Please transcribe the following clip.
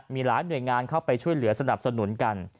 มีหลายหน่วยงานเข้าไปช่วยเหลือสนับสนุนกัน